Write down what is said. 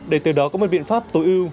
để từ đó có một biện pháp tối ưu